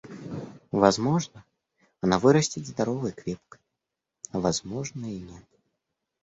Возможно, она вырастет здоровой и крепкой, а возможно, и нет.